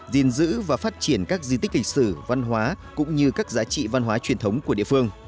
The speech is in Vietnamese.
gìn giữ và phát triển các di tích lịch sử văn hóa cũng như các giá trị văn hóa truyền thống của địa phương